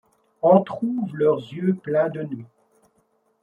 Entr'ouvrent leurs yeux pleins de nuit ;